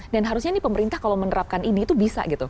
dan harusnya nih pemerintah kalau menerapkan ide itu bisa gitu